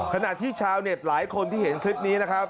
ขณะที่ชาวเน็ตหลายคนที่เห็นคลิปนี้นะครับ